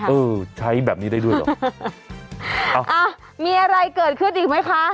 เออใช้แบบนี้ได้ด้วยเหรอเอาอ่ะมีอะไรเกิดขึ้นอีกไหมคะ